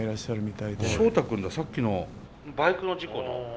ショウタ君ださっきのバイクの事故の。